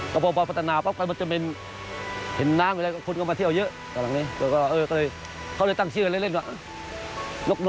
ชอบมาเล่นน้ำตกชอบมาเล่นเลยก็ตั้งชื่อแกล้งกัน